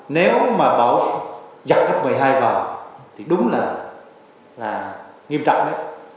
nếu mà bão giặt chất một mươi hai vào thì đúng là nghiêm trọng đấy